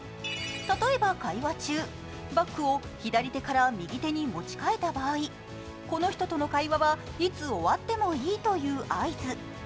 例えば会話中、バッグを左手から右手に持ち替えた場合、この人との会話はいつ終わってもいいという合図。